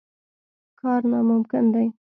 کار ناممکن دی.